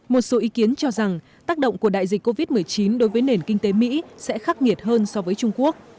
một số ý kiến cho rằng tác động của đại dịch covid một mươi chín đối với nền kinh tế mỹ sẽ khắc nghiệt hơn so với trung quốc